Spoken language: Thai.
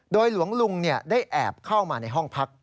โดยหลวงลุงได้แอบเข้ามาในห้องพัก